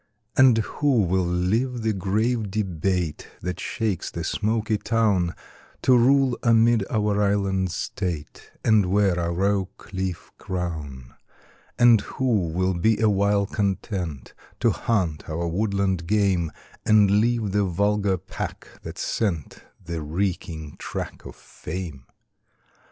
And who will leave the grave debate That shakes the smoky town, To rule amid our island state, And wear our oak leaf crown? And who will be awhile content To hunt our woodland game, And leave the vulgar pack that scent The reeking track of fame?